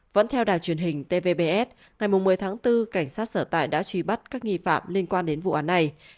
vẫn theo đài truyền hình tvbs ngày một mươi tháng bốn cảnh sát sở tại đã truy bắt các nghi phạm liên quan đến vụ án này